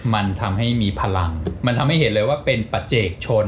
มันทำให้มีพลังมันทำให้เห็นเลยว่าเป็นประเจกชน